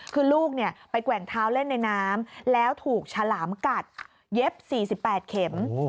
คือลูกไปแกว่งเท้าเล่นในน้ำแล้วถูกฉลามกัดเย็บ๔๘เข็ม